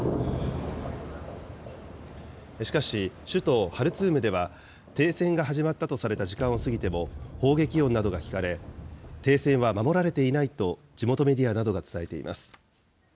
しかし、首都ハルツームでは、停戦が始まったとされた時間を過ぎても砲撃音などが聞かれ、停戦は守られていないと、地元メディアなどが伝えています。